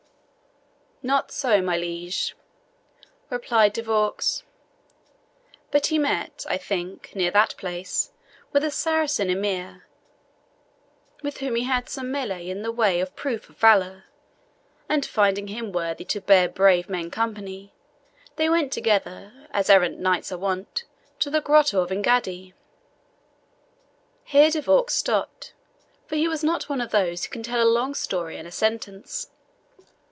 "Not so my liege," replied De Vaux? "but he met, I think, near that place, with a Saracen Emir with whom he had some MELEE in the way of proof of valour, and finding him worthy to bear brave men company, they went together, as errant knights are wont, to the grotto of Engaddi." Here De Vaux stopped, for he was not one of those who can tell a long story in a sentence.